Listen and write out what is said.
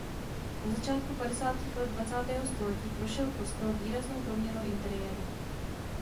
Na začátku padesátých let dvacátého století prošel kostel výraznou proměnou interiéru.